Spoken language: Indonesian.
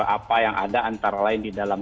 apa yang ada antara lain di dalam